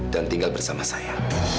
dan tinggal bersama saya